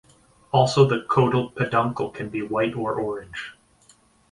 Also the caudal peduncle can be white or orange.